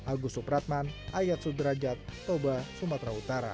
agus supratman ayat sudrajat toba sumatera utara